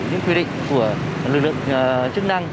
những quy định của lực lượng chức năng